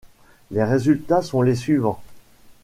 Les résultats sont les suivants.